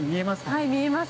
はい見えます。